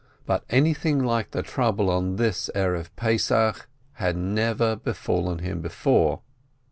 But anything like the trouble on this Passover Eve had never befallen him before.